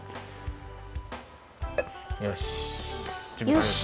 よし。